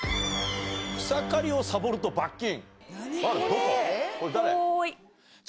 草刈りをさぼると罰金？